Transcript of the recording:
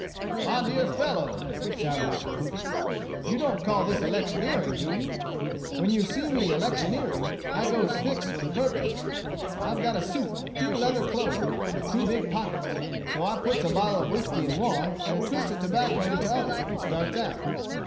"My dear fellow," shouted out Crockett, "you don't call this electioneering, do you? When you see me electioneering, I goes fixed for the purpose. I've got a suit of deer leather clothes, with two big pockets. So I puts a bottle of whiskey in one, and a twist of tobacco in t'other, and starts out.